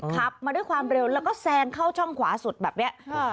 ขับมาด้วยความเร็วแล้วก็แซงเข้าช่องขวาสุดแบบนี้